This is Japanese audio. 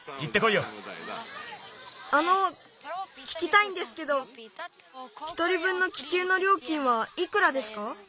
あのききたいんですけど１人ぶんの気球のりょうきんはいくらですか？